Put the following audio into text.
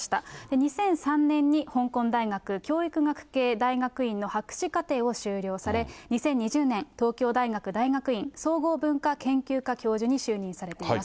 ２００３年に、香港大学教育学系大学院の博士課程を修了され、２０２０年、東京大学大学院総合文化研究科教授に就任されています。